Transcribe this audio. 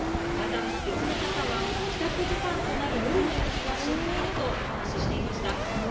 また別の方は帰宅時間となる夜の雪が心配だとお話していました。